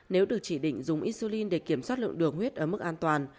nếu được chỉ định dùng isulin để kiểm soát lượng đường huyết ở mức an toàn